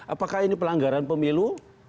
apakah ini pelanggaran pemilu